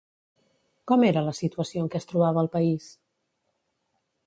Com era la situació en què es trobava el país?